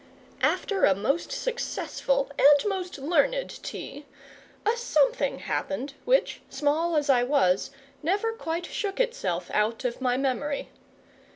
After a most successful and most learned tea a something happened which, small as I was, never quite shook itself out of my memory.